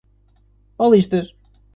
Paulistas